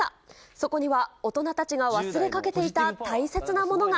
そこには大人たちが忘れかけていた大切なものが。